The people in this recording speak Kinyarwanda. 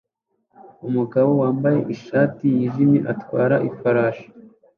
Umugabo wambaye ishati yijimye atwara ifarashi